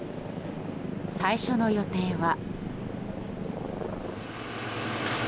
最初の予定は。